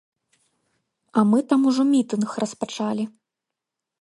А мы там ужо мітынг распачалі.